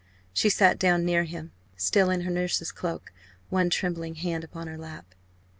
She sat down near him, still in her nurse's cloak, one trembling hand upon her lap.